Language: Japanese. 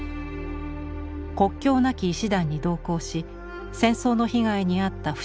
国境なき医師団に同行し戦争の被害に遭った負傷者を取材。